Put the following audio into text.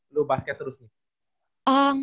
lu basket terus nih